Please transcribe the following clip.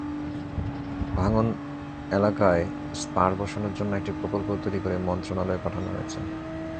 ভাঙন এলাকায় স্পার বসানোর জন্য একটি প্রকল্প তৈরি করে মন্ত্রণালয়ে পাঠানো হয়েছে।